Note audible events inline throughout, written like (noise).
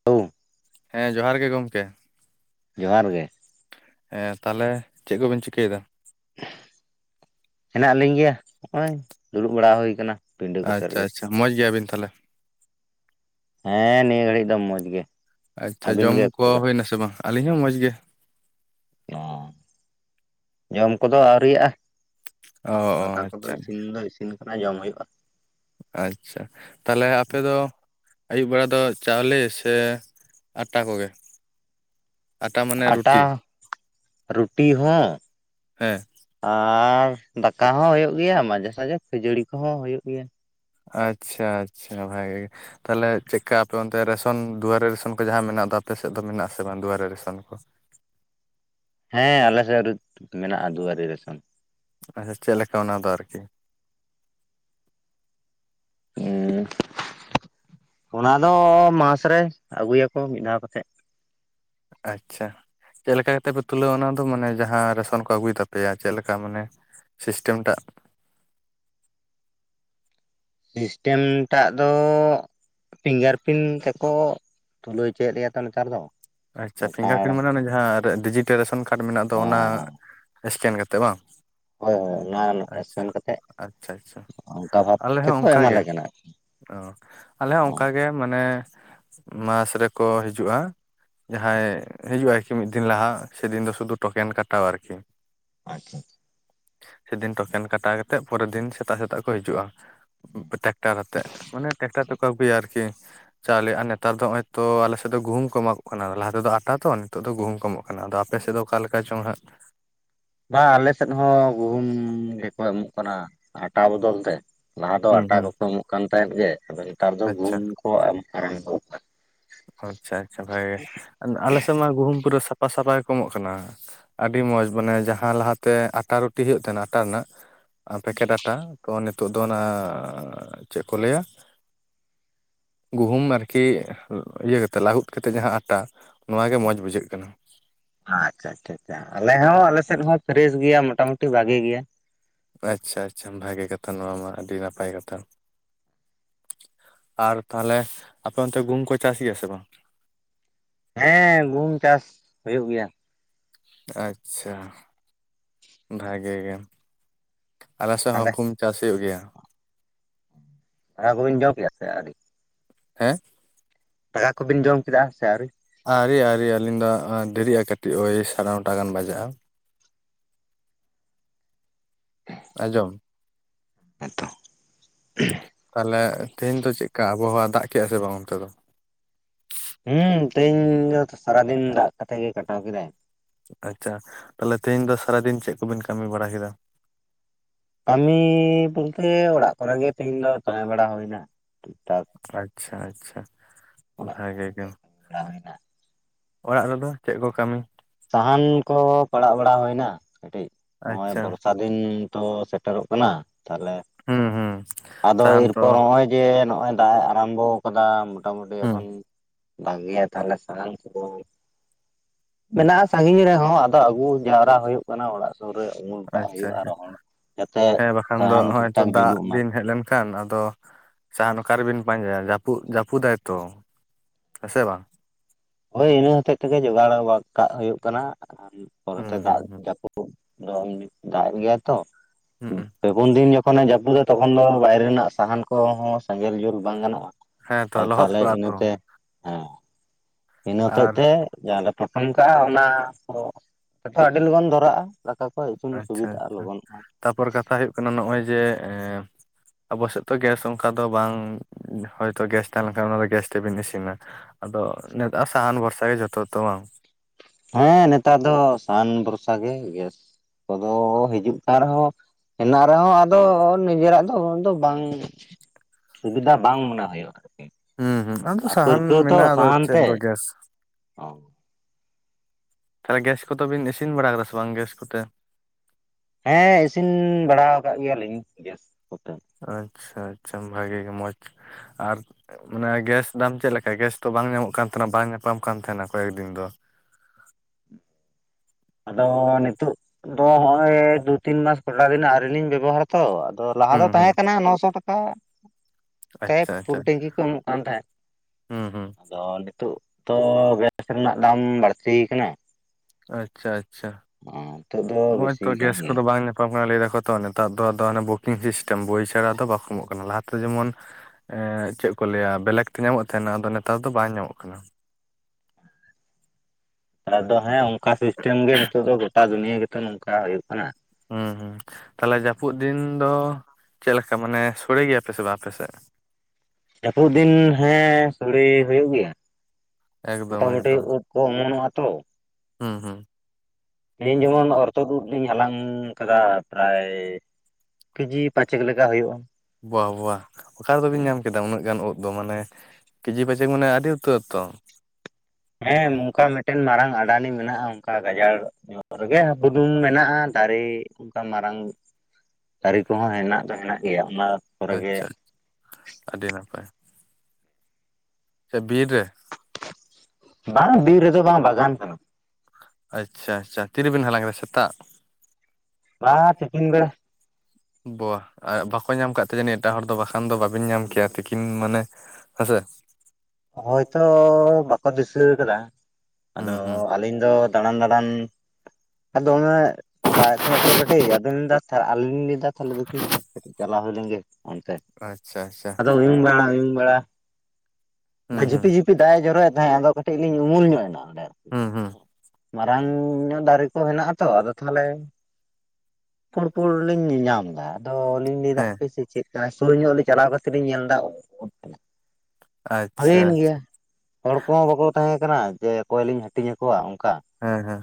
(unintelligible) ᱦᱮᱸ ᱡᱚᱦᱟᱨ ᱜᱮ ᱜᱚᱝᱠᱮ ᱾ ᱡᱚᱦᱟᱨ ᱜᱮ ᱾ ᱦᱮᱸ ᱛᱟᱦᱚᱞᱮ ᱪᱮᱫ ᱠᱚᱵᱮᱱ ᱪᱤᱠᱟᱹᱭ ᱫᱟ? ᱦᱮᱱᱟᱜ ᱞᱤᱧ ᱜᱮᱭᱟ ᱦᱚᱸᱜᱼᱚᱭ ᱫᱩᱲᱩᱵ ᱵᱟᱲᱟ ᱦᱩᱭ ᱠᱟᱱᱟ᱾ ᱟᱪᱪᱷᱟ ᱟᱪᱪᱷᱟ ᱢᱚᱡᱽ ᱜᱮᱭᱟᱵᱤᱱ ᱛᱟᱦᱚᱞᱮ? ᱦᱮᱸ ᱱᱤᱭᱟᱹ ᱜᱷᱟᱹᱲᱤᱡ ᱫᱚ ᱢᱚᱸᱡ ᱜᱮ᱾ ᱟᱪᱪᱷᱟ ᱟᱹᱵᱤᱱ ᱡᱚᱢ ᱜᱮ ᱚᱠᱟ ᱠᱚ ᱞᱮᱠᱟ ᱦᱩᱭᱱᱟ ᱥᱮ ᱵᱟᱝ? ᱟᱹᱞᱤᱧ ᱦᱚᱸ ᱢᱚᱡ ᱜᱮ᱾ ᱚᱸ ᱡᱚᱢ ᱠᱚᱫᱚ ᱟᱹᱣᱨᱤᱭᱟᱜᱼᱟ᱾ ᱚ ᱚ ᱫᱟᱠᱟ ᱠᱚᱫᱚ ᱟᱪᱪᱷᱟ ᱤᱥᱤᱱ ᱫᱚ ᱤᱥᱤᱱ ᱠᱟᱱᱟ ᱡᱚᱢ ᱦᱩᱭᱩᱜᱼᱟ᱾ ᱟᱪᱷᱟ ᱛᱟᱦᱚᱞᱮ ᱟᱯᱮ ᱫᱚ᱾ ᱟᱹᱭᱩᱵ ᱵᱮᱲᱟ ᱫᱚ ᱪᱟᱣᱞᱮ ᱥᱮ ᱟᱴᱟ ᱠᱚᱜᱮ᱾ ᱟᱴᱟ ᱢᱟᱱᱮ ᱟᱴᱟ ᱨᱩᱴᱤ ᱨᱩᱴᱤ ᱦᱚᱸ᱾ ᱦᱮᱸ᱾ ᱟᱨ ᱫᱟᱠᱟ ᱦᱚᱸ ᱦᱩᱭᱩᱜ ᱜᱮᱭᱟ ᱢᱟᱡᱷᱮ ᱥᱟᱡᱷᱮ ᱠᱷᱟᱹᱡᱟᱹᱲᱤ ᱠᱚᱦᱚᱸ ᱦᱩᱭᱩᱜ ᱜᱮᱭᱟ᱾ ᱟᱪᱷᱟ ᱟᱪᱷᱟ ᱵᱷᱟᱜᱮ᱾ ᱛᱟᱦᱚᱞᱮ ᱪᱮᱠᱟ ᱟᱯᱮ ᱚᱱᱛᱮ ᱨᱮᱥᱚᱱ ᱫᱩᱣᱟᱨᱮ ᱨᱮᱥᱚᱱ ᱠᱚ ᱡᱟᱦᱟᱸ ᱢᱮᱱᱟᱜ ᱫᱚ ᱟᱯᱮ ᱥᱮᱫ ᱫᱚ ᱢᱮᱱᱟᱜ ᱟᱥᱮ ᱵᱟᱝ ᱫᱩᱣᱟᱨᱮ ᱨᱮᱥᱚᱱ ᱠᱚ? ᱦᱮᱸ ᱟᱞᱮ ᱥᱮᱫ ᱢᱮᱱᱟᱜᱼᱟ ᱫᱩᱣᱟᱨᱤ ᱨᱮᱥᱚᱱ᱾ ᱟᱪᱷᱟ ᱪᱮᱫ ᱞᱮᱠᱟ ᱚᱱᱟ ᱫᱚ ᱟᱨᱠᱤ? ᱦᱩᱸ ᱚᱱᱟ ᱫᱚ ᱢᱟᱥ ᱨᱮ ᱟᱹᱜᱩᱭᱟᱠᱚ ᱢᱤᱫ ᱫᱷᱟᱣ ᱠᱟᱛᱮ᱾ ᱟᱪᱪᱷᱟ᱾ ᱪᱮᱫ ᱞᱮᱠᱟ ᱠᱟᱛᱮ ᱯᱮ ᱛᱩᱞᱟᱹᱣᱟ ᱚᱱᱟ ᱫᱚ ᱢᱟᱱᱮ ᱡᱟᱦᱟᱸ ᱨᱮᱥᱚᱱ ᱠᱚ ᱟᱹᱜᱩᱭ ᱛᱟᱯᱮᱭᱟ ᱪᱮᱫ ᱞᱮᱠᱟ ᱢᱟᱱᱮ? ᱥᱤᱥᱴᱮᱢ ᱴᱟᱜ᱾ ᱥᱤᱥᱴᱮᱢ ᱴᱟᱜ ᱫᱚ᱾ ᱯᱷᱤᱝᱜᱟᱨ ᱯᱷᱤᱨᱤᱱ ᱛᱮᱠᱚ ᱛᱩᱞᱟᱹᱣ ᱪᱚ ᱞᱮᱭᱟ ᱛᱚ ᱱᱮᱛᱟᱨ ᱫᱚ᱾ ᱟᱪᱷᱟ ᱯᱷᱤᱝᱜᱟᱨ ᱟᱥᱟᱲ ᱯᱷᱤᱨᱤᱱ ᱢᱟᱱᱮ ᱚᱱᱟ ᱡᱟᱦᱟ ᱰᱤᱡᱤᱴᱮ ᱨᱮᱥᱚᱱ ᱠᱟᱨᱰ ᱢᱮᱱᱟᱜ ᱫᱚ ᱚᱱᱟ ᱦᱚᱸ ᱥᱠᱮᱱ ᱠᱟᱛᱮ ᱵᱟᱝ? ᱦᱳᱭ ᱦᱳᱭ ᱚᱱᱟ ᱟᱪᱪᱷᱟ ᱥᱠᱮᱱ ᱠᱟᱛᱮᱫ ᱟᱪᱪᱷᱟ ᱟᱪᱪᱷᱟ ᱚᱱᱠᱟ ᱵᱷᱟᱵ ᱛᱮᱠᱚ ᱮᱢᱟᱞᱮ ᱠᱟᱱᱟ ᱟᱨᱠᱤ᱾ ᱚᱸ ᱟᱞᱮ ᱦᱚᱸ ᱚᱱᱠᱟ ᱜᱮ ᱢᱟᱱᱮ ᱢᱟᱥ ᱨᱮᱠᱚ ᱦᱤᱡᱩᱜᱼᱟ᱾ ᱡᱟᱦᱟᱸᱭ ᱦᱤᱡᱩᱜᱼᱟᱭ ᱠᱤ ᱢᱤᱫ ᱫᱤᱱ ᱞᱟᱦᱟ ᱥᱮᱫᱤᱱ ᱫᱚ ᱥᱩᱫᱷᱩ ᱴᱳᱠᱮᱱ ᱠᱟᱴᱟᱣ ᱟᱨᱠᱤ᱾ ᱟᱪᱪᱷᱟ᱾ ᱥᱮᱫᱤᱱ ᱴᱚᱠᱮᱱ ᱠᱟᱴᱟ ᱠᱟᱛᱮ ᱯᱚᱨᱮᱨ ᱫᱤᱱ ᱥᱮᱛᱟᱜ ᱥᱮᱛᱟᱜ ᱠᱚ ᱦᱤᱡᱩᱜᱼᱟ᱾ ᱴᱮᱠᱴᱟᱨᱟᱛᱮ ᱢᱟᱱᱮ ᱴᱮᱠᱴᱟᱨ ᱛᱮᱠᱚ ᱟᱜᱩᱭᱟ ᱟᱨᱠᱤ᱾ ᱪᱟᱣᱞᱮ ᱟᱨ ᱱᱮᱛᱟᱨ ᱫᱚ ᱱᱚᱜᱼᱚᱭ ᱛᱚ ᱟᱞᱮᱥᱮᱫ ᱫᱚ ᱜᱩᱦᱩᱢ ᱠᱚ ᱮᱢᱟᱠᱚ ᱠᱟᱱᱟ ᱞᱟᱦᱟ ᱛᱮᱫᱚ ᱟᱴᱟ ᱛᱚ ᱱᱤᱛᱚᱜ ᱫᱚ ᱜᱩᱦᱩᱢ ᱠᱚ ᱮᱢᱚᱜ ᱠᱟᱱᱟ᱾ ᱠᱟᱱᱟ ᱟᱫᱚ ᱟᱯᱮ ᱥᱮᱫ ᱫᱚ ᱚᱠᱟᱞᱮᱠᱟ ᱪᱚᱝ ᱦᱟᱸᱜ ᱵᱟᱝ ᱟᱞᱮ ᱥᱮᱫ ᱦᱚᱸ ᱜᱩᱦᱩᱢ ᱜᱮᱠᱚ ᱮᱢᱚᱜ ᱠᱟᱱᱟ ᱟᱸᱴᱟ ᱵᱚᱫᱚᱞ ᱛᱮ, ᱞᱟᱦᱟ ᱫᱚ ᱦᱩᱸ ᱟᱴᱟ ᱦᱩᱸ ᱠᱚᱠᱚ ᱮᱢᱚᱜ ᱠᱟᱱ ᱛᱟᱦᱮᱸᱫ ᱜᱮ ᱟᱫᱚ ᱱᱮᱛᱟᱨ ᱫᱚ ᱟᱪᱪᱷᱟ ᱜᱩᱦᱢ ᱠᱚ ᱮᱢ ᱠᱟᱱᱟ ᱟᱪᱪᱷᱟ ᱟᱪᱪᱷᱟ ᱵᱷᱟᱜᱮ ᱜᱮ ᱟᱫᱚ ᱟᱞᱮ ᱥᱮᱫ ᱢᱟ ᱜᱩᱦᱩᱢ ᱯᱩᱨᱟᱹ ᱥᱟᱯᱷᱟ ᱥᱟᱯᱷᱟ ᱜᱮᱠᱚ ᱮᱢᱚᱜ ᱠᱟᱱᱟ, ᱟᱹᱰᱤ ᱢᱚᱸᱡᱽ ᱢᱟᱱᱮ ᱡᱟᱦᱟᱸ ᱞᱟᱦᱟᱛᱮ ᱟᱴᱟ ᱨᱩᱴᱤ ᱦᱩᱭᱩᱜ ᱛᱟᱦᱮᱱᱟ ᱟᱴᱟ ᱨᱮᱱᱟᱜ, ᱯᱮᱠᱮᱴ ᱟᱴᱟ ᱠᱚ ᱚᱱᱮ ᱱᱤᱛᱳᱜ ᱫᱚ ᱚᱱᱟ ᱪᱮᱫ ᱠᱚ ᱞᱟᱹᱭᱟ ᱜᱩᱦᱩᱢ ᱟᱨᱠᱤ, ᱤᱭᱟᱹ ᱠᱟᱛᱮ ᱞᱟᱹᱦᱩᱫ ᱠᱟᱛᱮ ᱡᱟᱦᱟᱸ ᱟᱴᱟ ᱱᱚᱣᱟ ᱜᱮ ᱢᱚᱡᱽ ᱵᱩᱡᱷᱟᱹᱜ ᱠᱟᱱᱟ, ᱟᱪᱪᱷᱟ ᱟᱪᱪᱷᱟ ᱪᱷᱟ ᱟᱞᱮ ᱦᱚᱸ ᱟᱞᱮ ᱥᱮᱫ ᱦᱚᱸ ᱯᱷᱨᱮᱥ ᱜᱮᱭᱟ ᱢᱚᱴᱟᱢᱩᱴᱤ ᱵᱷᱟᱜᱤ ᱜᱮᱭᱟ ᱟᱪᱪᱷᱟ ᱟᱪᱪᱷᱟ ᱵᱷᱟᱜᱮ ᱠᱟᱛᱷᱟ ᱱᱚᱣᱟ ᱢᱟ ᱟᱹᱰᱤ ᱱᱟᱯᱟᱭ ᱠᱟᱛᱷᱟ ᱟᱨ ᱛᱟᱦᱞᱮ ᱟᱯᱮ ᱚᱱᱛᱮ ᱜᱩᱦᱩᱢ ᱠᱚ ᱪᱟᱥ ᱜᱮᱭᱟ ᱥᱮ ᱵᱟᱝ, ᱦᱮᱸ ᱜᱩᱦᱩᱢ ᱪᱟᱥ ᱦᱩᱭᱩᱜ ᱜᱮᱭᱟ, ᱟᱪᱪᱷᱟ ᱵᱷᱟᱜᱮ ᱜᱮ, ᱟᱞᱮ ᱥᱮᱫ ᱦᱚᱸ ᱛᱟᱦᱚᱞᱮ ᱜᱩᱦᱩᱢ ᱪᱟᱥ ᱦᱩᱭᱩᱜ ᱜᱮᱭᱟ ᱫᱟᱠᱟ ᱠᱚᱵᱤᱱ ᱡᱚᱢ ᱠᱮᱫ-ᱟ ᱥᱮ ᱟᱹᱣᱨᱤ? ᱦᱮᱸ ᱫᱟᱠᱟ ᱠᱚᱵᱤᱱ ᱡᱚᱢ ᱠᱮᱫᱟ ᱥᱮ ᱟᱹᱣᱨᱤ? ᱟᱹᱣᱨᱤ ᱟᱹᱣᱨᱤ ᱟᱹᱞᱤᱧ ᱫᱚ ᱫᱮᱨᱤᱜᱼᱟ ᱠᱟᱹᱴᱤᱡ ᱳᱭ ᱥᱟᱲᱮ ᱱᱚ-ᱴᱟ ᱜᱟᱱ ᱵᱟᱡᱟᱜᱼᱟ, ᱟᱸᱡᱚᱢ ᱦᱮᱸᱛᱚ, ᱛᱟᱦᱚᱞᱮ ᱛᱮᱦᱮᱧ ᱫᱚ ᱪᱮᱫ ᱠᱟ ᱟᱵᱚᱦᱟᱣᱟ ᱫᱟᱜ ᱠᱮᱭᱼᱟ ᱥᱮ ᱵᱟᱝ ᱚᱱᱛᱮ ᱫᱚ ᱦᱩᱸ ᱛᱤᱦᱤᱧ ᱫᱚ ᱥᱟᱨᱟᱫᱤᱱ ᱫᱟᱜ ᱠᱟᱛᱮ ᱜᱮ ᱠᱟᱴᱟᱣ ᱠᱮᱫᱟᱭ, ᱟᱪᱪᱷᱟ ᱛᱟᱦᱚᱞᱮ ᱛᱮᱦᱤᱧ ᱫᱚ ᱥᱟᱨᱟᱫᱤᱱ ᱪᱮᱫ ᱠᱚᱵᱤᱱ ᱠᱟᱹᱢᱤ ᱵᱟᱲᱟ ᱠᱮᱫᱟ, ᱠᱟᱹᱢᱤ ᱵᱚᱞᱛᱮ ᱚᱲᱟᱜ ᱠᱚᱨᱮ ᱜᱮ ᱛᱮᱦᱤᱧ ᱫᱚ ᱛᱟᱦᱮᱸ ᱵᱟᱲᱟ ᱦᱩᱭ ᱮᱱᱟ ᱴᱟᱠ, ᱟᱪᱪᱷᱟ ᱟᱪᱪᱷᱟ ᱚᱲᱟᱜ ᱠᱚᱨᱮ ᱵᱷᱟᱜᱮ ᱜᱮ ᱜᱮᱢ, ᱠᱟᱹᱢᱤ ᱵᱟᱲᱟ ᱦᱩᱭᱱᱟ ᱚᱲᱟᱜ ᱨᱮᱫᱚ ᱪᱮᱫ ᱠᱚ ᱠᱟᱹᱢᱤ, ᱥᱟᱦᱟᱱ ᱠᱚ, ᱯᱟᱲᱟᱜ ᱵᱟᱲᱟ ᱦᱚᱭᱮᱱᱟ ᱠᱟᱹᱴᱤᱡ, ᱱᱚᱜ ᱚᱭ ᱟᱪᱪᱷᱟ ᱵᱚᱨᱥ ᱥᱟᱫᱷᱤᱱ ᱛᱚ, ᱥᱮᱴᱮᱨᱚᱜ ᱠᱟᱱᱟ ᱾ ᱛᱟᱦᱚᱞᱮ ᱦᱩᱸ ᱦᱩᱸ ᱟᱫᱚ, ᱥᱟᱦᱟᱱ ᱛᱚ ᱤᱨᱯᱚᱨ ᱦᱚᱸᱜᱼᱚᱭ ᱡᱮ, ᱱᱚᱜᱼᱚᱭ ᱫᱟᱜ ᱮ ᱟᱨᱟᱢᱵᱚ ᱟᱠᱟᱫᱟ ᱾ ᱢᱚᱴᱟ ᱢᱩᱴᱤ, ᱦᱩᱸ ᱮᱠᱷᱚᱱ ᱵᱷᱟᱜᱮᱭᱟ ᱛᱟᱦᱚᱞᱮ, ᱥᱟᱦᱟᱱ ᱠᱚᱫᱚ ᱾ ᱢᱮᱱᱟᱜᱼᱟ ᱥᱟᱺᱜᱤᱧ ᱨᱮᱦᱚᱸ, ᱟᱫᱚ ᱟᱹᱜᱩ ᱡᱟᱣᱨᱟ ᱦᱩᱭᱩᱜ ᱠᱟᱱᱟ ᱚᱲᱟᱜ ᱾ ᱥᱩᱨ ᱨᱮ ᱩᱢᱩᱞ ᱠᱟᱜ ᱟᱪᱪᱷᱟ ᱦᱩᱭᱩᱜᱼᱟ, ᱟᱪᱪᱷᱟ ᱨᱚᱦᱚᱲ ᱡᱟᱛᱮ ᱦᱮᱸ ᱥᱟᱦᱟᱱ, ᱴᱷᱤᱠ ᱴᱷᱟᱠ ᱡᱩᱞᱩᱜ ᱢᱟ ᱾ ᱮᱠᱷᱟᱱ ᱟᱫᱚ, ᱥᱟᱦᱟᱱ ᱚᱠᱟ ᱨᱮ ᱵᱤᱱ ᱯᱟᱸᱡᱟᱭᱟ? ᱡᱟᱹᱯᱩᱫ, ᱡᱟᱹᱯᱩᱫᱟᱭ ᱛᱚ ᱾ ᱦᱮᱸ ᱥᱮ, ᱵᱟᱝ? ᱦᱳᱭ, ᱤᱱᱟᱹ ᱦᱚᱛᱮᱡ ᱛᱮᱜᱮ, ᱡᱚᱜᱟᱲ ᱠᱟᱜ ᱦᱩᱭᱩᱜ ᱠᱟᱱᱟ ᱾ (inaudible) ᱯᱚᱨᱮᱛᱮ ᱦᱩᱸ ᱦᱩᱸ ᱫᱟᱜ ᱦᱩᱸ ᱡᱟᱹᱯᱩᱫ (inaudible) ᱫᱚ ᱫᱟᱜ ᱮᱫ ᱜᱮᱭᱟ ᱛᱚ ᱾ ᱦᱩᱸᱼᱩᱸᱜ, ᱾ ᱯᱷᱟᱹᱜᱩᱱ ᱫᱤᱱ, ᱡᱚᱠᱷᱚᱱᱮ ᱡᱟᱹᱯᱩᱫᱟ, ᱛᱚᱠᱷᱚᱱ ᱫᱚ ᱵᱟᱭᱨᱮ ᱨᱮᱱᱟᱜ, ᱥᱟᱦᱟᱱ ᱠᱚᱦᱚᱸ ᱥᱮᱸᱜᱮᱞ ᱡᱩᱞ ᱵᱟᱝ ᱜᱟᱱᱚᱜᱼᱟ? ᱦᱮᱸ ᱛᱚ ᱟᱨ ᱞᱚᱦᱚᱫ ᱛᱟᱦᱚᱞᱮ ᱠᱚᱜᱼᱟ ᱛᱚ ᱤᱱᱟᱹᱛᱮ, ᱦᱮᱸ ᱾ ᱤᱱᱟᱹ ᱦᱚᱛᱮᱜ ᱟᱨ ᱛᱮ, ᱡᱟᱦᱟᱸᱞᱮ ᱯᱚᱴᱚᱢ ᱠᱟᱜᱼᱟ, ᱚᱱᱟ ᱠᱚ ᱟᱹᱰᱤ ᱞᱚᱜᱚᱱ ᱫᱷᱚᱨᱟᱜᱼᱟ ᱾ ᱫᱟᱠᱟ ᱠᱚᱼᱟ ᱤᱥᱤᱱ ᱟᱪᱪᱷᱟ ᱥᱩᱵᱤᱫᱷᱟ ᱟᱨ ᱟᱪᱪᱷᱟ ᱞᱚᱜᱚᱱᱚᱜᱼᱟ ᱾ ᱛᱟᱯᱚᱨ ᱠᱟᱛᱷᱟ ᱦᱩᱭᱩᱜ ᱠᱟᱱᱟ, ᱱᱚᱜᱼᱚᱭ ᱡᱮ, ᱮ ᱟᱵᱚ ᱥᱮᱫ ᱛᱚ ᱜᱮᱥ ᱦᱚᱸ ᱚᱱᱠᱟ ᱫᱚ ᱵᱟᱝ? ᱦᱳᱭᱛᱚ ᱜᱮᱥ ᱛᱟᱦᱮᱸ ᱞᱮᱱᱠᱷᱟᱱ, ᱚᱱᱟ ᱫᱚ ᱜᱮᱥ ᱛᱮᱵᱤᱱ ᱤᱥᱤᱱᱟ ᱾ ᱟᱫᱚ, ᱱᱮᱛ ᱫᱚ ᱥᱟᱦᱟᱱ ᱵᱷᱚᱨᱥᱟ ᱜᱮ ᱡᱚᱛᱚ ᱛᱚ, (inaudible) ᱦᱮᱸ, ᱱᱮᱛᱟᱨ ᱫᱚ ᱥᱟᱦᱟᱱ ᱵᱷᱚᱨᱥᱟ ᱜᱮ, ᱜᱮᱥ ᱠᱚᱫᱚ ᱦᱤᱡᱩᱜ ᱠᱟᱱ ᱨᱮᱦᱚᱸ, ᱦᱮᱱᱟᱜ ᱨᱮᱦᱚᱸ ᱾ ᱟᱫᱚ ᱱᱤᱡᱮᱨᱟᱜ ᱫᱚ ᱩᱱ ᱫᱚ ᱵᱟᱝ? ᱥᱩᱵᱤᱫᱷᱟ ᱵᱟᱝ ᱢᱚᱱᱮ ᱦᱩᱭᱩᱜᱼᱟ ᱾ ᱟᱨᱠᱤ ᱦᱩᱸ ᱦᱩᱸ ᱟᱫᱚ (inaudible) ᱟᱨ ᱥᱟᱦᱟᱱ ᱯᱟᱹᱨᱠᱟᱹᱣ ᱛᱚ ᱢᱮᱱᱟᱜᱼᱟ ᱟᱫᱚ ᱥᱟᱦᱟᱱ ᱪᱮᱫ ᱛᱮ ᱟᱫᱚ ᱜᱮᱥ ᱾ ᱚᱸᱝ ᱾ ᱛᱟᱦᱚᱞᱮ ᱜᱮᱥ ᱠᱚᱛᱮ ᱵᱤᱱ, ᱤᱥᱤᱱ ᱵᱟᱲᱟ ᱟᱠᱟᱫᱟ ᱥᱮ ᱵᱟᱝ? ᱜᱮᱥ ᱠᱚᱛᱮ ᱾ ᱦᱮᱸ, ᱤᱥᱤᱱ ᱵᱟᱲᱟ ᱟᱠᱟᱫ ᱜᱮᱭᱟ ᱞᱤᱧ ᱜᱮᱥ ᱠᱚᱛᱮ ᱾ ᱟᱪᱪᱷᱟ, ᱟᱪᱪᱷᱟ ᱵᱷᱟᱜᱤ ᱜᱮ, ᱢᱚᱸᱡᱽ ᱟᱨ ᱢᱟᱱᱮ ᱜᱮᱥ ᱫᱟᱢ ᱪᱮᱫ ᱞᱮᱠᱟ? ᱜᱮᱥ ᱫᱚ ᱵᱟᱝ ᱧᱟᱢᱚᱜ ᱠᱟᱱ ᱛᱟᱦᱮᱱᱟ ᱾ ᱵᱟᱝ ᱧᱟᱯᱟᱢ ᱠᱟᱱ ᱛᱟᱦᱮᱱᱟ ᱠᱚᱭᱮᱠ ᱫᱤᱱ ᱫᱚ ᱾ ᱟᱫᱚ ᱱᱤᱛᱳᱜ ᱫᱚ, ᱱᱚᱜᱼᱚᱭ, ᱫᱩ ᱛᱤᱱ ᱢᱟᱥ, ᱠᱚ ᱚᱼᱴᱟ ᱫᱤᱱ, ᱟᱹᱣᱨᱤ ᱞᱤᱧ ᱵᱮᱵᱚᱦᱟᱨ ᱛᱚ ᱾ ᱟᱫᱚ ᱞᱟᱦᱟ ᱫᱚ, ᱦᱩᱸ ᱦᱩᱸ ᱛᱟᱦᱮᱸ ᱠᱟᱱᱟ ᱱᱚᱥᱚ ᱴᱟᱠᱟ ᱾ ᱛᱮ, ᱤᱯ ᱟᱪᱪᱷᱟ ᱟᱪᱪᱷᱟ ᱯᱩᱞᱴᱤ ᱜᱤ ᱠᱚ ᱮᱢᱚᱜ ᱠᱟᱱ ᱛᱟᱦᱮᱸᱫ ᱦᱩᱸ ᱦᱩᱸ ᱾ ᱟᱫᱚ, ᱱᱤᱛᱚᱜ ᱛᱚ, ᱜᱮᱥ ᱨᱮᱱᱟᱜ ᱫᱟᱢ, ᱵᱟᱹᱲᱛᱤ ᱟᱠᱟᱱᱟ ᱾ ᱟᱪᱪᱷᱟ, ᱟᱪᱪᱷᱟ ᱱᱤᱛᱚᱜ ᱫᱚ ᱾ ᱱᱚᱜᱼᱚᱭ ᱵᱮᱥᱤ ᱛᱚ, ᱠᱟᱱ ᱜᱮᱥ ᱜᱮᱭᱟ ᱠᱚᱫᱚ ᱵᱟᱝ? ᱧᱟᱯ ᱛᱚ ᱞᱟᱹᱭ ᱮᱫᱟ ᱠᱚ ᱛᱚ, ᱱᱮᱛᱟᱨ ᱫᱚ, ᱫᱚ ᱵᱩᱠᱤᱝ ᱥᱤᱥᱴᱮᱢ, ᱵᱳᱭ ᱪᱷᱟᱲᱟ ᱫᱚ ᱵᱟᱠᱚ ᱮᱢᱚᱜ ᱠᱟᱱᱟ ᱾ ᱞᱟᱦᱟ ᱡᱮᱢᱚᱱ ᱮᱸᱻ, ᱪᱮᱫ ᱠᱚ ᱞᱟᱹᱭᱟ? ᱵᱮᱞᱮᱠ ᱛᱮ ᱧᱟᱢᱚᱜ ᱛᱟᱦᱮᱱᱟ ᱾ ᱟᱫᱚ ᱱᱮᱛᱟᱨ ᱫᱚ ᱵᱟᱝ ᱧᱟᱢᱚᱜ ᱠᱟᱱᱟ ᱾ ᱟᱫᱚ ᱦᱮᱸ, ᱚᱱᱠᱟ ᱥᱤᱥᱴᱮᱢ ᱜᱮ, ᱱᱤᱛᱚᱜ ᱫᱚ, ᱜᱚᱴᱟ ᱫᱩᱱᱤᱭᱟ., ᱜᱮᱛᱚ ᱱᱚᱝᱠᱟ ᱦᱩᱭᱩᱜ ᱠᱟᱱᱟ ᱾ ᱦᱩᱸ, ᱦᱩᱸ ᱾ (inaudible) ᱛᱟᱦᱚᱞᱮ, ᱡᱟᱹᱯᱩᱫ ᱫᱤᱱ ᱫᱚ ᱪᱮᱫ ᱞᱮᱠᱟ? ᱢᱟᱱᱮ ᱥᱚᱲᱮ ᱜᱮᱭᱟ ᱯᱮ, ᱥᱮ ᱵᱟᱝ ᱟᱯᱮᱥᱮᱫ? ᱡᱟᱹᱯᱩᱫ ᱫᱤᱱ, ᱦᱮᱸ, ᱥᱳᱲᱮ ᱦᱩᱭᱩᱜ ᱜᱮᱭᱟ ᱾ ᱮᱠᱫᱚᱢ ᱮᱠᱫᱚᱢ ᱚᱢᱚᱱᱚᱜᱼᱟ ᱛᱚ ᱾ ᱦᱩᱸ ᱦᱩᱸ ᱾ ᱛᱮᱦᱮᱧ ᱡᱮᱢᱚᱱ ᱚᱨᱛᱚᱫᱩᱫ ᱞᱤᱧ ᱦᱟᱞᱟᱝ ᱟᱠᱟᱫᱟ, ᱯᱨᱟᱭ ᱠᱮᱡᱤ ᱯᱟᱸᱪᱠ ᱞᱮᱠᱟ ᱦᱩᱭᱩᱜᱼᱟ ᱾ ᱵᱟ ᱵᱟ, ᱚᱠᱟ ᱨᱮᱫᱚ ᱵᱤᱱ ᱧᱟᱢ ᱠᱮᱫ? ᱠᱮᱫᱟ ᱩᱱᱟᱹᱜ ᱜᱟᱱ ᱩᱫᱽ ᱫᱚ, ᱢᱟᱱᱮ ᱠᱮᱡᱤ ᱯᱟᱪᱮ, ᱢᱟᱱᱮ ᱟᱹᱰᱤ ᱩᱛᱟᱹᱨ ᱛᱚ ᱾ ᱦᱮᱸ, ᱱᱚᱝᱠᱟ ᱢᱤᱫᱴᱮᱱ ᱢᱟᱨᱟᱝ ᱟᱰᱟᱱᱤ ᱢᱮᱱᱟᱜᱼᱟ ᱾ ᱚᱱᱠᱟ ᱜᱟᱡᱟᱲ (unintelligible) ᱨᱮᱜᱮ ᱠᱩᱫᱩᱢ ᱢᱮᱱᱟᱜᱼᱟ ᱾ᱫᱟᱨᱮ ᱚᱱᱠᱟ ᱢᱟᱨᱟᱝ ᱫᱟᱨᱮ ᱠᱚᱦᱚᱸ, ᱦᱮᱱᱟᱜ ᱫᱚ ᱦᱮᱱᱟᱜ ᱜᱮᱭᱟ ᱾ ᱚᱱᱟ ᱠᱚᱨᱮ ᱜᱮ ᱟᱪᱪᱷᱟ ᱟᱪᱷᱟ ᱾ ᱟᱹᱰᱤ ᱱᱟᱯᱟᱭ ᱾ ᱥᱮ, ᱵᱤᱨ ᱨᱮ? ᱵᱟᱝ, ᱵᱤᱨ ᱨᱮᱫᱚ ᱵᱟᱝ? ᱵᱟᱜᱟᱱ ᱠᱟᱱᱟ ᱟᱪᱪᱷᱟ, ᱟᱪᱪᱷᱟ ᱾ ᱛᱤ ᱨᱮᱵᱮᱱ ᱦᱟᱞᱟᱝ ᱠᱮᱫᱟ ᱥᱮᱛᱟᱜ? ᱵᱟᱝᱼᱟ, ᱛᱤᱠᱤᱱ ᱵᱮᱲᱟ ᱾ ᱵᱟᱦ ᱟ... ᱵᱟᱠᱚ ᱧᱟᱢ ᱟᱠᱟᱜ ᱛᱮ ᱡᱟᱹᱱᱤᱡ ᱮᱴᱟᱜ ᱦᱚᱲ ᱫᱚ ᱵᱟᱠᱷᱟᱱ ᱫᱚ ᱵᱟᱵᱤᱱ ᱧᱟᱢ ᱠᱮᱭᱟ ᱛᱤᱠᱤᱱ ᱢᱟᱱᱮ ᱦᱮᱸ ᱥᱮ ᱦᱳᱭᱛᱚ ᱵᱟᱠᱚ ᱫᱤᱥᱟᱹ ᱟᱠᱟᱫᱟ ᱦᱩᱸ ᱟᱫᱚ ᱦᱩᱸ ᱟᱹᱞᱤᱧ ᱫᱚ ᱫᱟᱲᱟᱱ ᱫᱟᱲᱟᱱ ᱟᱫᱚ ᱚᱱᱟ ᱫᱟᱜ ᱮᱫ ᱛᱟᱦᱮᱸᱫ ᱛᱚ ᱠᱟᱹᱴᱤᱡ ᱟᱫᱚᱧ ᱢᱮᱱ ᱮᱫᱟ ᱟᱹᱞᱤᱧ ᱞ.... ᱟ ᱛᱟᱦᱚᱞᱮ ᱫᱤᱠᱤ ᱠᱟᱹᱴᱤᱡ ᱪᱟᱞᱟᱣ ᱦᱩᱭ ᱞᱮᱱᱜᱮ ᱚᱱᱛᱮ ᱟᱪᱪᱷᱟ ᱟᱪᱪᱷᱟ ᱟᱫᱚ ᱩᱭᱩᱝ ᱵᱮᱲᱟ ᱩᱭᱩᱝ ᱵᱟᱲᱟ ᱦᱩᱸ (unintelligible) ᱦᱩᱸ ᱡᱷᱤᱯᱤᱨ ᱡᱷᱯᱤᱨ ᱫᱟᱜ‌ ᱮ ᱡᱚᱨᱚᱭᱮᱫ ᱛᱟᱦᱮᱸᱫ ᱟᱫᱚ ᱠᱟᱹᱴᱤᱡ ᱞᱤᱧ ᱩᱢᱩᱞ ᱧᱚᱜ ᱮᱱᱟ ᱚᱸᱰᱮ ᱦᱩᱸ ᱦᱩᱸ ᱢᱟᱨᱟᱝ ᱧᱚᱜ ᱫᱟᱨᱮ ᱠᱚ ᱦᱮᱱᱟᱜ-ᱟ ᱛᱚ ᱟᱫᱚ ᱛᱟᱦᱚᱞᱮ ᱯᱩᱬ ᱯᱩᱬ ᱞᱤᱧ ᱧᱟᱢ ᱮᱫᱟ ᱟᱫᱚ ᱞᱤᱧ ᱞᱟᱹᱭᱫᱟ ᱦᱮᱸ ᱦᱟᱯᱮᱥᱮ ᱪᱮᱫ ᱠᱟᱱᱟ, ᱥᱩᱨ ᱧᱚᱜ ᱨᱮ ᱪᱟᱞᱟᱣ ᱠᱟᱛᱮ ᱞᱤᱧ ᱧᱮᱞ ᱮᱫᱟ ᱟᱪᱪᱷᱟ (inaudible) ᱟᱪᱪᱷᱟ ᱵᱷᱟᱜᱮᱭᱮᱱ ᱜᱮᱭᱟ ᱦᱚᱲ ᱠᱚᱦᱚᱸ ᱵᱟᱠᱚ ᱛᱟᱦᱮᱸ ᱠᱟᱱᱟ ᱡᱮ ᱚᱠᱚᱭ ᱞᱤᱧ ᱦᱟᱹᱴᱤᱧ ᱟᱠᱚᱣᱟ ᱚᱱᱠᱟ ᱦᱮᱸ ᱦᱮᱸ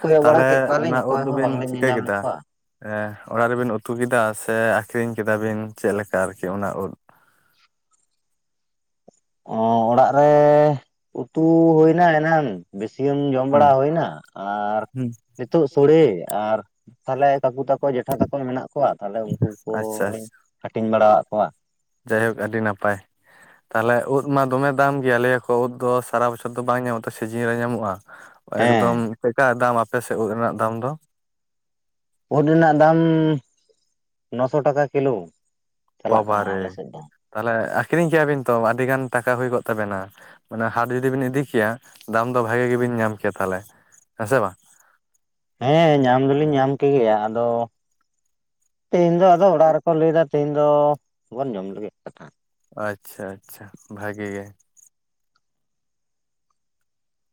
ᱠᱚᱭᱚᱜ ᱵᱟᱲᱟ ᱠᱮᱫ ᱠᱚᱣᱟᱞᱤᱧ ᱚᱠᱚᱭ ᱦᱚᱸ ᱵᱟᱝᱞᱤᱧ ᱧᱮᱞᱧᱟᱢ ᱞᱮ...... ᱟ.... ᱮᱸ... ᱚᱲᱟᱜ ᱨᱮᱵᱤᱱ ᱩᱛᱩ ᱠᱮᱫᱟ ᱥᱮ ᱟᱹᱠᱷᱨᱤᱧ ᱠᱮᱫᱟ ᱵᱤᱱ ᱪᱮᱫᱞᱮᱠᱟ ᱟᱨᱠᱤ ᱚᱱᱟ ᱩᱫ ᱚᱸᱻ ᱚᱲᱟᱜ ᱨᱮ ᱩᱛᱩ ᱦᱩᱭ ᱮᱱᱟ ᱮᱱᱟᱝ ᱵᱮᱥᱤ ᱜᱟᱱ ᱡᱚᱢ ᱵᱟᱲᱟ ᱦᱩᱸ ᱦᱩᱭ ᱮᱱᱟ ᱟᱨ ᱦᱩᱸ ᱱᱤᱛᱚᱜ ᱥᱳᱲᱮ ᱟᱨ ᱛᱟᱦᱚᱞᱮ ᱠᱟᱠᱩ ᱛᱟᱠᱚ ᱡᱮᱴᱷᱟ ᱛᱟᱠᱚ ᱢᱮᱱᱟᱜ ᱠᱚᱣᱟ, ᱛᱟᱦᱚᱞᱮ ᱩᱱᱠᱩ ᱟᱪᱪᱷᱟ ᱠᱚᱞᱤᱧ ᱟᱪᱪᱷᱟ ᱦᱟᱹᱴᱤᱧ ᱵᱟᱲᱟᱣᱟᱫ ᱠᱚᱣᱟ ᱡᱟᱭᱦᱳᱠ ᱟᱹᱰᱤ ᱱᱟᱯᱟᱭ ᱛᱟᱦᱚᱞᱮ ᱩᱫ ᱢᱟ ᱫᱚᱢᱮ ᱫᱟᱢ ᱜᱮᱭᱟ ᱞᱟᱹᱭᱟᱠᱚ ᱩᱫ ᱫᱚ ᱥᱟᱨᱟ ᱵᱚᱪᱷᱚᱨ ᱫᱚ ᱵᱟᱝ ᱧᱟᱢᱚᱜᱼᱟ ᱥᱤᱡᱤᱱ ᱨᱮ ᱧᱟᱢᱚᱜᱼᱟ ᱦᱮᱸ ᱮᱠᱫᱚᱢ, ᱪᱮᱫᱞᱮᱠᱟ ᱫᱟᱢ ᱟᱯᱮ ᱥᱮᱫ ᱩᱫ ᱨᱮᱱᱟᱜ ᱫᱟᱢ ᱫᱚ? ᱩᱫ ᱨᱮᱱᱟᱜ ᱫᱟᱢ ᱱᱚᱩ ᱥᱚ ᱴᱟᱠᱟ ᱠᱤᱞᱚ ᱯᱟᱵᱟᱨᱮ ᱛᱟᱦᱚᱞᱮ ᱟᱹᱠᱷᱨᱤᱧ ᱠᱮᱭᱟᱵᱤᱱ ᱛᱚ ᱟᱹᱰᱤᱜᱟᱱ ᱴᱟᱠᱟ ᱦᱩᱭ ᱠᱚᱜ ᱛᱟᱵᱮᱱᱟ ᱢᱟᱱᱮ ᱦᱟᱴ ᱡᱩᱫᱤ ᱵᱤᱱ ᱤᱫᱤ ᱠᱮᱭᱟ ᱫᱟᱢ ᱫᱚ ᱵᱷᱟᱜᱤ ᱜᱮ ᱵᱤᱱ ᱧᱟᱢ ᱠᱮᱭᱟ ᱛᱟᱦᱞᱮ, ᱦᱮᱸ ᱥᱮᱮ ᱵᱟᱝ? ᱦᱮᱸ ᱧᱟᱢ ᱫᱚ ᱞᱤᱧ ᱧᱟᱢ ᱠᱮ ᱜᱮᱭᱟ ᱟᱫᱚ ᱛᱮᱦᱮᱧ ᱫᱚ ᱚᱲᱟᱜ ᱨᱮ ᱠᱚ ᱞᱟᱹᱭ ᱮᱫᱟ ᱛᱮᱦᱮᱧ ᱫᱚ ᱵᱚᱱ ᱡᱚᱢ ᱞᱮ ᱜᱮ ᱠᱟᱛᱷᱟ ᱟᱪᱪᱷᱟ ᱟᱪᱪᱷᱟ ᱵᱷᱟᱜᱤ ᱜᱮ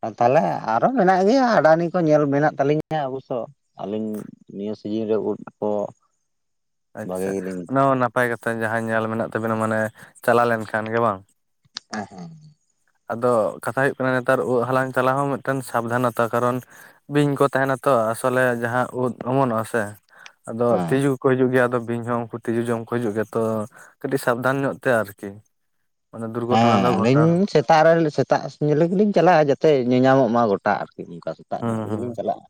ᱟᱨ ᱛᱟᱦᱞᱮ ᱟᱨᱦᱚᱸ ᱢᱮᱱᱟᱜ ᱜᱮᱭᱟ ᱟᱰᱟᱱᱤ ᱠᱚ ᱧᱮᱞ ᱢᱮᱱᱟᱜ ᱛᱟᱹᱞᱤᱧᱟ ᱚᱵᱚᱥ ᱥᱳ ᱟᱹᱞᱤᱧ ᱱᱤᱭᱟᱹ ᱥᱤᱡᱤᱱ ᱨᱮ ᱩᱫ ᱠᱚ ᱵᱷᱟᱜᱮ ᱟᱪᱪᱷᱟ, ᱜᱮᱞᱤᱧ ᱚᱱᱟ ᱢᱟ ᱱᱟᱯᱟᱭ ᱠᱟᱛᱷᱟ ᱡᱟᱦᱟᱸ ᱧᱮᱞ ᱢᱮᱱᱟᱜ ᱛᱟᱵᱤᱱᱟ ᱢᱟᱱᱮ ᱪᱟᱞᱟᱣ ᱞᱮᱱ ᱠᱷᱟᱱ ᱜᱮ ᱵᱟᱝ (unintelligible) ᱦᱮᱸ ᱟᱫᱚ ᱠᱟᱛᱷᱟ ᱦᱩᱭᱚᱜ ᱠᱟᱱᱟ ᱱᱮᱛᱟᱨ ᱚᱫ ᱦᱟᱞᱟᱝ ᱪᱟᱞᱟᱣ ᱦᱚᱸ ᱢᱤᱫ ᱴᱟᱝ ᱥᱟᱵᱽᱫᱷᱟᱱ ᱟᱛᱮ ᱠᱟᱨᱚᱱ ᱵᱤᱧ ᱠᱚ ᱛᱟᱦᱮᱱᱟ ᱛᱚ ᱟᱥᱚᱞ ᱮ ᱡᱟᱦᱟᱸ ᱩᱫ ᱚᱢᱚᱱᱚᱜᱼᱟ ᱥᱮ ᱟᱫᱚ ᱦᱮᱸ ᱛᱤᱡᱩ ᱠᱚ ᱦᱤᱡᱩᱜ ᱜᱮᱭᱟ ᱟᱫᱚ ᱵᱤᱧ ᱦᱚᱸ ᱩᱱᱠᱩ ᱛᱤᱡᱩ ᱡᱚᱢ ᱠᱚ ᱦᱤᱡᱩᱜ ᱜᱮᱭᱟ ᱛᱚ ᱠᱟᱹᱴᱤᱡ ᱥᱟᱵᱫᱷᱟᱱ ᱧᱚᱜ ᱛᱮ ᱟᱨ ᱠᱤ ᱦᱮᱸ ᱟᱹᱞᱤᱧ ᱥᱮ.... ᱛᱟᱜ ᱨᱮ ᱥᱮᱛᱟᱜ ᱧᱮᱞᱮ ᱜᱤ ᱞᱤᱧ ᱪᱟᱞᱟᱜ-ᱟ ᱡᱟᱛᱮ ᱧᱮᱧᱟ ᱢᱚᱜ ᱢᱟ ᱜᱚᱴᱟ ᱟᱨ ᱠᱤ ᱚᱱᱠᱟ ᱥᱮᱛᱟᱜ ᱦᱩᱸ ᱧᱚᱜ ᱨᱮ ᱜᱮ ᱦᱩᱸ ᱞᱤᱧ ᱪᱟᱞᱟᱜᱼᱟ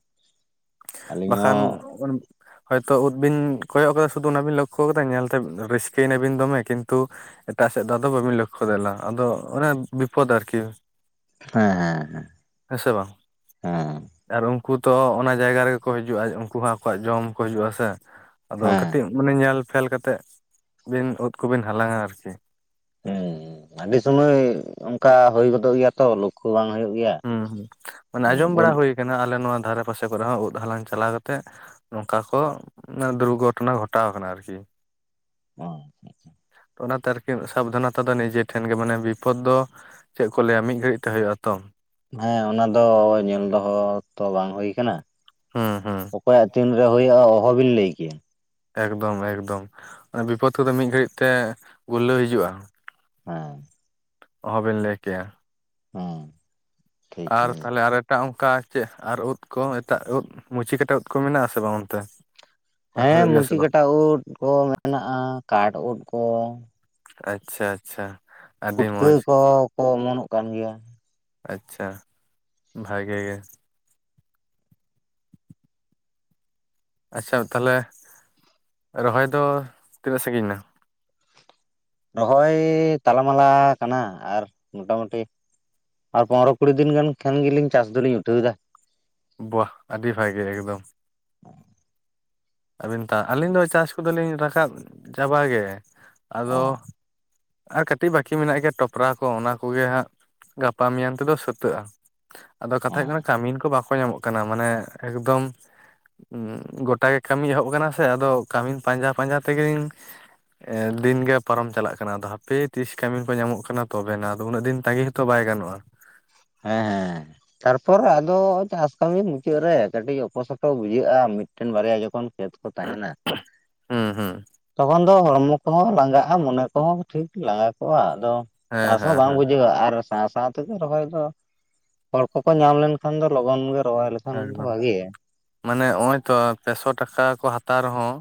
ᱟᱹᱞᱤᱧ ᱦᱚᱸ (unintelligible) ᱦᱚᱭ ᱛᱚ ᱩᱫ ᱵᱤᱱ ᱠᱚᱭᱚᱜ ᱟᱠᱟᱫᱟ ᱥᱩᱫᱩ ᱚᱱᱟᱵᱤᱱ ᱞᱚᱠᱠᱷᱚ ᱟᱠᱟᱫᱟ ᱧᱮᱞ ᱛᱮ ᱨᱟᱹᱥᱠᱟᱹ ᱮᱱᱟᱵᱤᱱ ᱫᱚᱢᱮ ᱠᱤᱱᱛᱩ ᱮᱴᱟᱜ ᱥᱮᱫ ᱫᱚ ᱟᱫᱚ ᱵᱟᱹᱵᱤᱱ ᱞᱚᱠᱠᱷᱚ ᱫᱮᱞᱟ ᱟᱫᱚ ᱚᱱᱮ ᱵᱤᱯᱷᱚᱫᱽ ᱟᱨᱠᱤ ᱦᱮᱸ ᱦᱮᱸ ᱦᱮᱸ, ᱦᱮᱸ ᱥᱮ ᱵᱟᱝ ᱦᱮᱸ ᱟᱨ ᱩᱱᱠᱩ ᱛᱚ ᱚᱱᱟ ᱡᱟᱭᱜᱟ ᱨᱮᱜᱮ ᱠᱚ ᱦᱤᱡᱩᱜᱼᱟ ᱩᱱᱠᱩ ᱦᱚᱸ ᱟᱠᱚᱣᱟᱜ ᱡᱚᱢ ᱠᱚ ᱦᱤᱡᱩᱜᱼᱟ ᱥᱮ ᱟᱫᱚ ᱦᱮᱸ ᱠᱟᱹᱴᱤᱡ ᱢᱟᱱᱮ ᱧᱮᱞ ᱯᱷᱮᱞ ᱠᱟᱛᱮᱫ ᱵᱤᱱ ᱩᱫ ᱠᱚ ᱵᱤᱱ ᱦᱟᱞᱟᱝ-ᱟ ᱟᱨᱠᱤ ᱦᱮᱸ ᱟᱹᱰᱤ ᱥᱚᱢᱚᱭ ᱚᱱᱠᱟ ᱦᱚᱭ ᱜᱚᱫᱚᱜ ᱜᱮᱭᱟ ᱛᱚ ᱞᱩ.... ᱠᱩ ᱵᱟᱝ ᱦᱚᱭᱚᱜ ᱜᱮᱭᱟ ᱦᱩᱸ ᱦᱩᱸ ᱢᱟᱱᱮ ᱟᱸᱡᱚᱢ ᱵᱟᱲᱟ ᱩᱫ ᱦᱩᱭ ᱟᱠᱟᱱᱟ ᱟᱞᱮ ᱱᱚᱶᱟ ᱫᱷᱟᱨᱮ ᱯᱟᱥᱮ ᱠᱚᱨᱮ ᱦᱚᱸ ᱩᱫ ᱦᱟᱞᱟᱝ ᱪᱟᱞᱟᱣ ᱠᱟᱛᱮ ᱱᱚᱝᱠᱟ ᱠᱚ ᱫᱩᱨ ᱜᱷᱚᱴᱚᱱᱟ ᱜᱷᱚᱴᱟᱣ ᱟᱠᱟᱱᱟ ᱟᱨᱠᱤ ᱚᱸᱻ ᱚᱱᱟᱛᱮ ᱟᱨᱠᱤ ᱥᱟᱵᱫᱷᱟᱱ ᱟᱛᱮ ᱫᱚ ᱱᱤᱡᱮ ᱴᱷᱮᱱ ᱜᱮ ᱢᱟᱱᱮ ᱵᱤᱯᱚᱛ ᱫᱚ ᱪᱮᱫ ᱠᱚ ᱞᱟᱹᱭ-ᱟ ᱢᱤᱫ ᱜᱷᱟᱹᱲᱤᱡ ᱛᱮ ᱦᱩᱭᱚᱼᱟ ᱛᱚ ᱦᱮᱸ ᱚᱱᱟ ᱫᱚ ᱧᱮᱞ ᱫᱚᱦᱚ ᱛᱚ ᱵᱟᱝ ᱦᱩᱭ ᱟᱠᱟᱱᱟ ᱦᱩᱸ ᱦᱩᱸ᱾ ᱚᱠᱚᱭᱟᱜ ᱛᱤᱱ ᱨᱮ ᱦᱩᱭᱩᱜ-ᱟ ᱚᱦᱚ ᱵᱤᱱ ᱞᱟᱹᱭ ᱠᱮᱭᱟ᱾ ᱮᱠᱫᱚᱢ ᱮᱠᱫᱚᱢ ᱚᱱᱟ ᱵᱤᱯᱚᱫ ᱠᱚᱫᱚ ᱢᱤᱫ ᱜᱷᱟᱹᱲᱤᱡ ᱛᱮ ᱜᱩᱞᱞᱟᱹᱣ ᱦᱤᱡᱩᱜ-ᱟ᱾ ᱦᱩᱸ᱾ ᱚᱦᱚ ᱵᱮᱱ ᱞᱟᱹᱭ ᱠᱮᱭᱟ᱾ ᱦᱩᱸ᱾ ᱟᱨ ᱛᱟᱦᱞᱮ ᱟᱨ ᱮᱴᱟᱜ ᱚᱱᱠᱟ ᱪᱮᱫ ᱟᱨ ᱩᱫ ᱠᱚ ᱮᱴᱟᱜ ᱩᱫ ᱢᱩᱪᱤ ᱠᱟᱴᱟ ᱩᱫ ᱠᱚ ᱢᱮᱱᱟᱜ-ᱟ ᱥᱮ ᱵᱟᱝ ᱚᱱᱛᱮ? ᱦᱮᱸ ᱦᱩᱭᱩᱜ ᱜᱮᱭᱟ ᱥᱮ ᱢᱩᱪᱤ ᱵᱟᱝ? ᱠᱟᱴᱟ ᱩᱫ ᱠᱚ ᱢᱮᱱᱟᱜ-ᱟ ᱠᱟᱴ ᱩᱫ ᱠᱚ᱾ ᱟᱪᱪᱷᱟ ᱟᱪᱪᱷᱟ᱾ ᱟᱹᱰᱤ ᱯᱩᱴᱠᱟᱹ ᱢᱚᱸᱡᱽ ᱠᱚ ᱠᱚ ᱚᱢᱚᱱᱚᱜ ᱠᱟᱱ ᱜᱮᱭᱟ᱾ ᱟᱪᱪᱷᱟ, ᱵᱷᱟᱜᱮ ᱜᱮ᱾ ᱟᱪᱪᱷᱟ ᱛᱟᱦᱞᱮ ᱨᱚᱦᱚᱭ ᱫᱚ ᱛᱤᱱᱟᱹᱜ ᱥᱟᱸᱜᱤᱧ ᱱᱟ? ᱨᱚᱦᱚᱭ ᱛᱟᱞᱟ ᱢᱟᱞᱟ ᱠᱟᱱᱟ ᱟᱨ ᱢᱚᱴᱟᱢᱩᱴᱤ᱾ ᱟᱨ ᱯᱚᱸᱨᱚ ᱠᱩᱲᱤ ᱫᱤᱱ ᱜᱟᱱ ᱠᱷᱟᱱ ᱜᱮᱞᱤᱧ ᱪᱟᱥ ᱫᱚᱞᱤᱧ ᱜᱩᱴᱟᱹᱣ ᱫᱟ᱾ ᱵᱚᱦ ᱟᱹᱰᱤ ᱵᱷᱟᱜᱮ ᱮᱠᱫᱚᱢ᱾ ᱟᱹᱵᱤᱱ ᱛᱟ ᱟᱹᱞᱤᱧ ᱫᱚ ᱪᱟᱥ ᱠᱚᱫᱚ ᱞᱤᱧ ᱨᱟᱠᱟᱵ ᱪᱟᱵᱟ ᱜᱮ᱾ ᱚ ᱟᱫᱚ ᱟᱨ ᱠᱟᱹᱴᱤᱡ ᱵᱟᱹᱠᱤ ᱢᱮᱱᱟᱜ ᱜᱮᱭᱟ ᱴᱚᱯᱨᱟ ᱠᱚ ᱚᱱᱟ ᱠᱚᱜᱮ ᱦᱟᱸᱜ ᱜᱟᱯᱟ ᱢᱮᱭᱟᱝ ᱛᱮᱫᱚ ᱥᱟᱹᱛᱟᱹᱜ-ᱟ᱾ ᱟᱫᱚ ᱚ ᱠᱟᱛᱷᱟ ᱦᱳᱭᱳᱜ ᱠᱟᱱᱟ ᱠᱟᱹᱢᱤᱱ ᱠᱚ ᱵᱟᱠᱚ ᱧᱟᱢᱚᱜ ᱠᱟᱱᱟ᱾ ᱢᱟᱱᱮ ᱮᱠᱫᱚᱢ ᱩᱸ ᱜᱚᱴᱟᱜᱮ ᱠᱟᱹᱢᱤ ᱮᱦᱚᱵ ᱟᱠᱟᱱᱟ ᱥᱮ ᱟᱫᱚ ᱠᱟᱹᱢᱤᱱ ᱯᱟᱸᱡᱟ ᱯᱟᱸᱡᱟ ᱛᱮᱜᱮᱧ ᱮᱸᱻ ᱫᱤᱱ ᱜᱮ ᱯᱟᱨᱚᱢ ᱪᱟᱞᱟᱜ ᱠᱟᱱᱟ᱾ ᱟᱫᱚ ᱦᱟᱯᱮ ᱛᱤᱥ ᱠᱟᱹᱢᱤᱱ ᱠᱚ ᱧᱟᱢᱚᱜ ᱠᱟᱱᱟ ᱛᱚᱵᱮᱱᱟ ᱟᱫᱚ ᱩᱱᱟᱹᱜ ᱫᱤᱱ ᱛᱟᱸᱜᱤ ᱦᱚᱸᱛᱚ ᱵᱟᱭ ᱜᱟᱱᱚᱜᱼᱟ᱾ ᱦᱮᱸ ᱦᱮᱸ᱾ ᱛᱟᱨᱯᱚᱨ ᱟᱫᱚ ᱪᱟᱥ ᱠᱟᱹᱢᱤ ᱢᱩᱪᱟᱹᱫ ᱨᱮ ᱠᱟᱹᱴᱤᱡ ᱚᱯᱚ ᱥᱚᱴᱚ ᱵᱩᱡᱷᱟᱹᱜ-ᱟ ᱢᱤᱫ ᱴᱮᱱ ᱵᱟᱨᱭᱟ ᱡᱚᱠᱷᱚᱱ ᱠᱷᱮᱛ ᱠᱚ ᱛᱟᱦᱮᱱᱟ ᱦᱩᱸ ᱦᱩᱸ ᱛᱚᱠᱷᱚᱱ ᱫᱚ ᱦᱚᱲᱢᱚ ᱠᱚᱦᱚᱸ ᱞᱟᱸᱜᱟᱜ-ᱟ ᱢᱚᱱᱮ ᱠᱚᱦᱚᱸ ᱴᱷᱤᱠ ᱞᱟᱸᱜᱟ ᱠᱚᱜ-ᱟ᱾ ᱟᱫᱚ ᱦᱮᱸ ᱪᱟᱥ ᱦᱚᱸ ᱦᱮᱸ ᱵᱟᱝ ᱦᱮᱸ ᱵᱩᱡᱷᱟᱹᱜ-ᱟ ᱟᱨ ᱥᱟᱶ ᱥᱟᱶ ᱛᱮᱜᱮ ᱨᱚᱦᱚᱭ ᱫᱚ ᱦᱚᱲ ᱠᱚᱠᱚ ᱧᱟᱢ ᱞᱮᱱᱠᱷᱟᱱ ᱫᱚ ᱞᱚᱜᱚᱱ ᱜᱮ ᱨᱚᱦᱚᱭ ᱞᱮ ᱮᱠᱫᱚᱢ ᱢᱟᱱᱮ ᱱᱚᱸᱜ-ᱚᱭ ᱛᱚ ᱯᱮᱥᱚ ᱴᱟᱠᱟ ᱠᱚ ᱦᱟᱛᱟᱣ ᱨᱮᱦᱚᱸ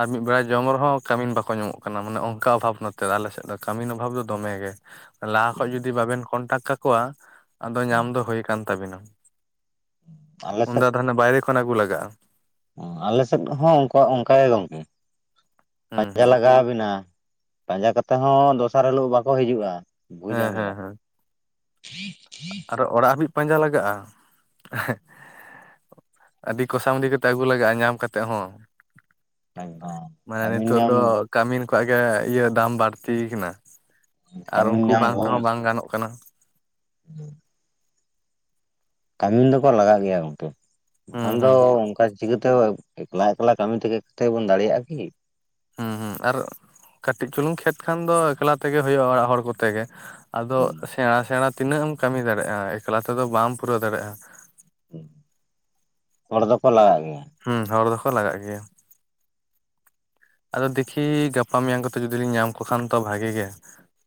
ᱟᱨ ᱢᱤᱫ ᱵᱮᱲᱟ ᱡᱚᱢ ᱨᱮᱦᱚᱸ ᱠᱟᱹᱢᱤᱱ ᱵᱟᱠᱚ ᱧᱟᱢᱚᱜ ᱠᱟᱱᱟ᱾ ᱢᱟᱱᱮ ᱚᱝᱠᱟ ᱚᱵᱷᱟᱵ ᱱᱚᱛᱮ ᱫᱚ ᱟᱞᱮᱥᱮᱫ ᱫᱚ ᱠᱟᱹᱢᱤᱱ ᱚᱵᱷᱟᱵ ᱫᱚᱢᱮ ᱜᱮ᱾ ᱞᱟᱦᱟ ᱠᱷᱚᱡ ᱡᱩᱫᱤ ᱵᱟᱵᱮᱱ ᱠᱚᱱᱴᱟᱠ ᱠᱟᱠᱚᱣᱟ ᱟᱫᱚ ᱧᱟᱢ ᱫᱚ ᱦᱩᱠᱟᱱ ᱛᱟᱵᱤᱱᱟ᱾ ᱟᱞᱮ ᱩᱱᱫᱚ ᱟᱫᱚ ᱦᱟᱱᱟ ᱵᱟᱭᱨᱮ ᱠᱷᱚᱱ ᱟᱹᱜᱩ ᱞᱟᱜᱟᱜ-ᱟ᱾ ᱦᱩᱸ, ᱟᱞᱮ ᱥᱮᱫ ᱦᱚᱸ ᱚᱝᱠᱟ ᱚᱝᱠᱟ ᱜᱮ ᱜᱚᱝᱠᱮ ᱦᱩᱸ ᱯᱟᱸᱡᱟ ᱦᱩᱸ ᱞᱟᱜᱟᱣ ᱵᱤᱱᱟ᱾ ᱯᱟᱸᱡᱟ ᱠᱟᱛᱮ ᱦᱚᱸ ᱫᱚᱥᱟᱨ ᱦᱤᱞᱳᱜ ᱵᱟᱠᱚ ᱦᱤᱡᱩᱜ-ᱟ ᱵᱚᱦᱩ ᱦᱮᱸ ᱦᱮᱸ ᱡᱷᱟᱢᱮᱞᱟ᱾ (unintelligible) ᱟᱫᱚ ᱚᱲᱟᱜ ᱦᱟᱹᱵᱤᱡ ᱯᱟᱸᱡᱟ ᱞᱟᱜᱟᱜ-ᱟ᱾ ᱟᱹᱰᱤ ᱠᱚᱥᱟᱢᱩᱫᱤ ᱠᱟᱛᱮ ᱟᱹᱜᱩ ᱞᱟᱜᱟᱜ-ᱟ ᱧᱟᱢ ᱠᱟᱛᱮ ᱦᱚᱸ ᱮᱠᱫᱚᱢ ᱢᱟᱱᱮ ᱠᱟᱹᱢᱤᱱ ᱱᱤᱛᱳᱜ ᱧᱟᱢ ᱫᱚ ᱠᱟᱹᱢᱤᱱ ᱠᱚᱣᱟᱜ ᱜᱮ ᱤᱭᱟᱹ ᱫᱟᱢ ᱵᱟᱹᱲᱛᱤᱭ ᱠᱟᱱᱟ ᱟᱨ ᱠᱟᱹᱢᱤᱱ ᱩᱱᱠᱩ ᱧᱟᱢ ᱵᱟᱝ ᱛᱮᱦᱚᱸ ᱵᱟᱝ ᱜᱟᱱᱚᱜ ᱠᱟᱱᱟ᱾ ᱦᱩᱸ᱾ ᱠᱟᱹᱢᱤᱱ ᱫᱚᱠᱚ ᱞᱟᱜᱟᱜ ᱜᱮᱭᱟ ᱜᱚᱝᱠᱮ ᱦᱩᱸ ᱵᱟᱠᱷᱟᱱ ᱫᱚ ᱦᱩᱸ ᱚᱝᱠᱟ᱾ ᱪᱤᱠᱟᱹᱛᱮ ᱮᱠᱞᱟ ᱮᱠᱞᱟ ᱠᱟᱹᱢᱤ ᱛᱮᱜᱮ ᱠᱟᱛᱮ ᱵᱚᱱ ᱫᱟᱲᱮᱭᱟᱜ-ᱟ ᱠᱤ? ᱦᱩᱸ ᱦᱩᱸ ᱟᱨ ᱠᱟᱹᱴᱤᱡ ᱪᱩᱞᱩᱝ ᱠᱷᱮᱛ ᱠᱷᱟᱱ ᱫᱚ ᱮᱠᱞᱟ ᱛᱮᱜᱮ ᱦᱩᱭᱩᱜ-ᱟ ᱚᱲᱟᱜ ᱦᱚᱲ ᱠᱚ ᱛᱮᱜᱮ᱾ ᱟᱫᱚ ᱥᱮᱬᱟ ᱥᱮᱬᱟ ᱛᱤᱱᱟᱹᱜ ᱮᱢ ᱠᱟᱹᱢᱤ ᱫᱟᱲᱮᱭᱟᱜ-ᱟ? ᱮᱠᱞᱟ ᱛᱮᱫᱚ ᱵᱟᱢ ᱯᱩᱨᱟᱹᱣ ᱫᱟᱲᱮᱭᱟᱜ-ᱟ᱾ ᱦᱚᱲ ᱫᱚᱠᱚ ᱞᱟᱜᱟᱜ ᱜᱮᱭᱟ᱾ ᱦᱩᱸ ᱦᱚᱲ ᱫᱚᱠᱚ ᱞᱟᱜᱟᱜ ᱜᱮᱭᱟ᱾ ᱟᱫᱚ ᱫᱮᱠᱷᱤ ᱜᱟᱯᱟ ᱢᱮᱭᱟᱝ ᱠᱚᱛᱮ ᱡᱩᱫᱤ ᱞᱤᱧ ᱧᱟᱢ ᱠᱚ ᱠᱷᱟᱱ ᱫᱚ ᱵᱷᱟᱜᱤ ᱜᱮ᱾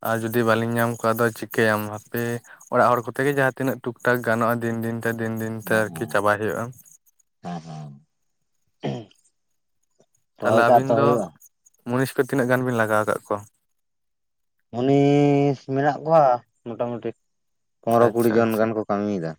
ᱟᱨ ᱡᱩᱫᱤ ᱵᱟᱹᱞᱤᱧ ᱧᱟᱢ ᱠᱚᱣᱟ ᱟᱫᱚ ᱪᱤᱠᱟᱹᱭᱟᱢ ᱦᱟᱯᱮ᱾ ᱚᱲᱟᱜ ᱦᱚᱲ ᱠᱚᱛᱮ ᱜᱮ ᱡᱟᱦᱟᱸ ᱛᱤᱱᱟᱹᱜ ᱴᱩᱠ ᱴᱟᱠ ᱜᱟᱱᱚᱜ-ᱟ ᱫᱤᱱ ᱫᱤᱱᱛᱮ ᱫᱤᱱ ᱫᱤᱱᱛᱮ ᱦᱮᱸ ᱟᱨᱠᱤ ᱦᱮᱸ ᱪᱟᱵᱟᱭ ᱦᱩᱭᱩᱜ-ᱟ᱾ (unintelligible) ᱛᱟᱦᱞᱮ ᱠᱟᱜ ᱟᱵᱤᱱ ᱛᱚ ᱫᱚ ᱦᱩᱭᱩᱜᱼᱟ ᱢᱩᱱᱤᱥ ᱠᱚ ᱛᱤᱱᱟᱹᱜ ᱜᱟᱱ ᱵᱤᱱ ᱞᱟᱜᱟᱣ ᱠᱟᱜ ᱠᱚᱣᱟ? ᱢᱩᱱᱤᱥ ᱢᱮᱱᱟᱜ ᱠᱚᱣᱟ ᱢᱚᱴᱟ ᱢᱩᱴᱤ ᱯᱚᱱᱫᱨᱚ ᱠᱩᱲᱤ ᱟᱪᱪᱷᱟ ᱡᱚᱱ ᱟᱪᱪᱷᱟ ᱜᱟᱱ ᱠᱚ ᱠᱟᱹᱢᱤᱭᱮᱫᱟ᱾